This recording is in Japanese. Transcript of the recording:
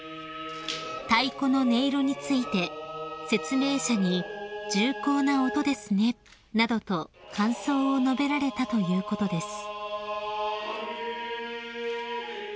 ［太鼓の音色について説明者に「重厚な音ですね」などと感想を述べられたということです］